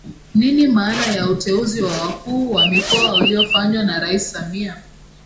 Nini maana ya uteuzi wa wakuu wa mikoa uliofanywa na Rais Samia